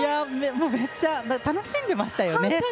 めっちゃ楽しんでましたよね！